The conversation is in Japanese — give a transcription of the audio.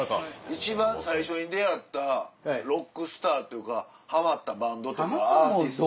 一番最初に出合ったロックスターっていうかハマったバンドとか。